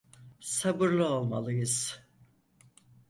Sabırlı olmalıyız.